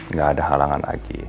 nggak ada halangan lagi